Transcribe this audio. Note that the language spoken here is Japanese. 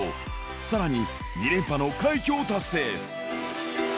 さらに２連覇の快挙を達成。